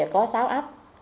có sáu áp